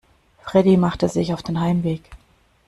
Freddie machte sich auf den Heimweg.